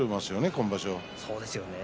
今場所。